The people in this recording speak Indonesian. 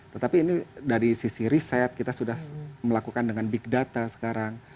tetapi ini dari sisi riset kita sudah melakukan dengan big data sekarang